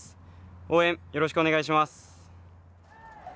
応援よろしくお願いします。